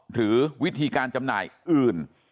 หรือวิธีการจำหน่ายอื่น